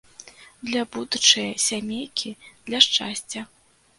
Для будучае сямейкі, для шчасця.